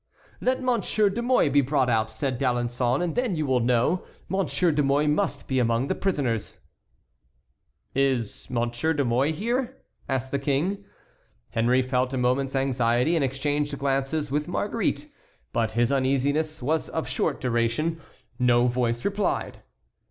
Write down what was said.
"Let Monsieur de Mouy be brought out," said D'Alençon, "and then you will know. Monsieur de Mouy must be among the prisoners." "Is Monsieur de Mouy here?" asked the King. Henry felt a moment's anxiety and exchanged glances with Marguerite; but his uneasiness was of short duration. No voice replied.